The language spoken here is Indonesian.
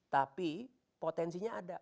tapi potensinya ada